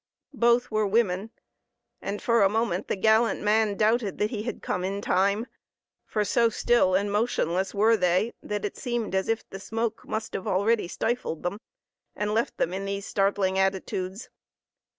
Both were women, and for a moment the gallant man doubted that he had come in time; for so still and motionless were they that it seemed as if the smoke must have already stifled them, and left them in these startling attitudes.